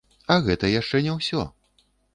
А гэта яшчэ не ўсё.